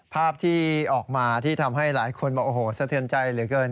ภาพที่ออกมาที่ทำให้หลายคนสะเทียนใจเหลือเกิน